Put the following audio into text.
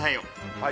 はい！